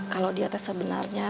kalau dia sebenarnya